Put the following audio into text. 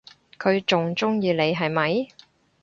佢仲鍾意你係咪？